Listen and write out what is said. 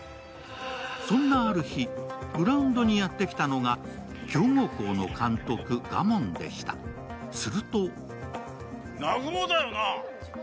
そんなある日、グラウンドにやってきたのが強豪校の監督・賀門でした、すると南雲だよな。